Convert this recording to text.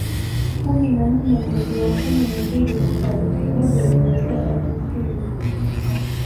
kumi na nne mwezi wa kumi na mbili mwaka elfu moja mia saba tisini